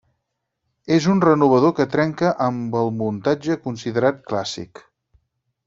És un renovador que trenca amb el muntatge considerat clàssic.